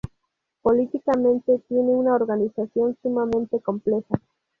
Políticamente tiene una organización sumamente compleja.